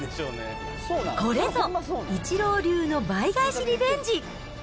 これぞ、イチロー流の倍返しリベンジ。